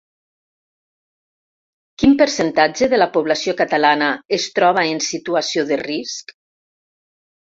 Quin percentatge de la població catalana es troba en situació de risc?